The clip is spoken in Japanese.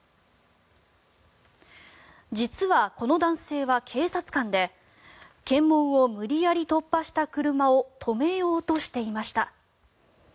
実はこの男性は警察官で検問を無理やり突破した車を止めようとしていました。